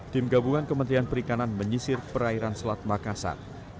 tim gabungan kementerian perikanan menyisir perairan selat makassar